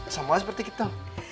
sama seperti kita